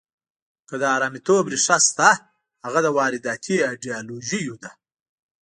که د حرامیتوب ریښه شته، هغه د وارداتي ایډیالوژیو ده.